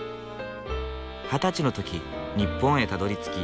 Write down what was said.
二十歳の時日本へたどりつき